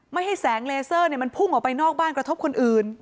ไม่ให้แสงเลเซอร์มันพุ่งออกไปนอกบ้านกระทบคนอื่น